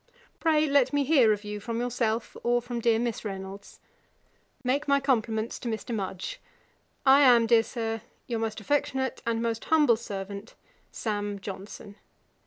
'Pray let me hear of you from yourself, or from dear Miss Reynolds. Make my compliments to Mr. Mudge. I am, dear Sir, 'Your most affectionate 'And most humble servant, 'SAM. JOHNSON.'